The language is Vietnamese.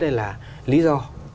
đây là lý do